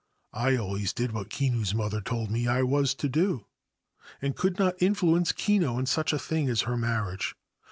I always did what Kinu's mother told me I was to do, and could not influence Kinu in such a thing as her marriage.